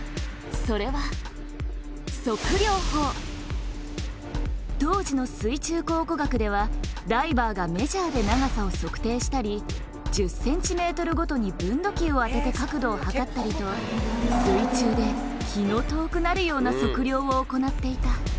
それは当時の水中考古学ではダイバーがメジャーで長さを測定したり１０ｃｍごとに分度器を当てて角度を測ったりと水中でそれでいて。